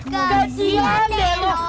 kasian deh lo